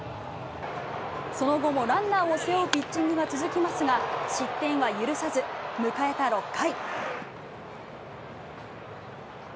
その後も、ランナーを背負うピッチングが続きますが、失点は許さず、迎えた６回。